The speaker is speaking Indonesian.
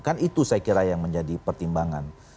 kan itu saya kira yang menjadi pertimbangan